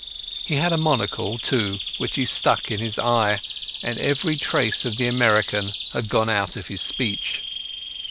He had a monocle, too, which he stuck in his eye, and every trace of the American had gone out of his speech.